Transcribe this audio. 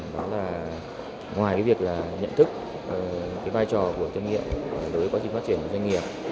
đó là ngoài việc nhận thức vai trò của doanh nghiệp đối với quá trình phát triển doanh nghiệp